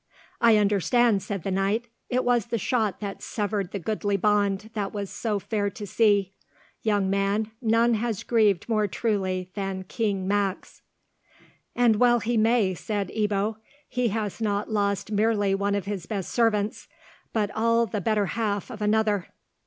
"I understand," said the knight; "it was the shot that severed the goodly bond that was so fair to see. Young man, none has grieved more truly than King Max." "And well he may," said Ebbo. "He has not lost merely one of his best servants, but all the better half of another."